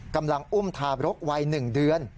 กำลังอุ้มทาบรกวัย๑เดือน